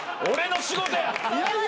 俺の仕事や。